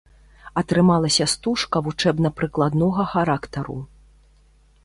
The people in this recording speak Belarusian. Атрымалася стужка вучэбна-прыкладнога характару.